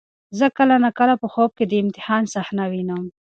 زه کله ناکله په خوب کې د امتحان صحنه وینم.